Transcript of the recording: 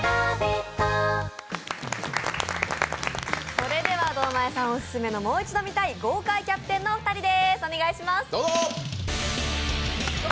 それでは堂前さんオススメのもう一回見たい豪快キャプテンのお二人です、お願いします。